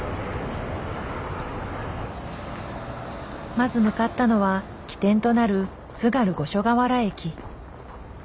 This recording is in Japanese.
まず向かったのは起点となる津軽五所川原駅。